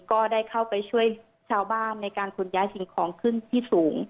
ก็ได้เข้าไปช่วยชาวบ้านในการขนย้ายสิ่งของขึ้นที่สูง